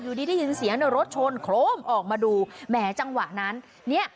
อยู่ดิได้ยินเสียงในรถโชนโครมออกมาดูแหมจังหวะนั้นเนี้ย